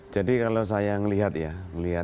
jadi kalau saya ngelihat ya